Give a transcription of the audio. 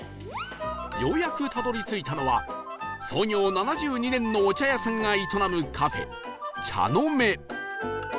ようやくたどり着いたのは創業７２年のお茶屋さんが営むカフェ茶の芽